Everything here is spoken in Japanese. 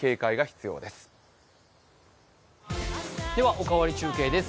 「おかわり中継」です。